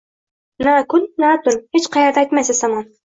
Na kun, na tun, hech qaerda aytmaysiz, tamom.